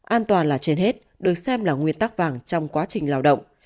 an toàn là trên hết được xem là nguyên tắc vàng trong quá trình lao động